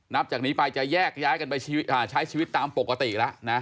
นับจากนี้ไปจะแยกย้ายกันไปใช้ชีวิตตามปกติแล้วนะ